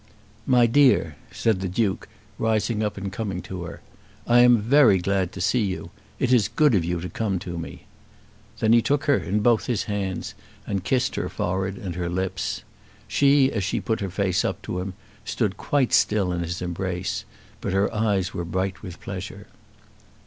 "My dear," said the Duke, rising up and coming to her, "I am very glad to see you. It is good of you to come to me." Then he took her in both his hands and kissed her forehead and her lips. She, as she put her face up to him, stood quite still in his embrace, but her eyes were bright with pleasure.